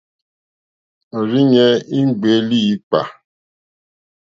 Òrzìɲɛ́ í ŋɡbèé líǐpkà.